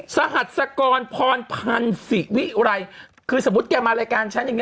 สหัสกรพรพันธุ์สิวิวิวิวลาย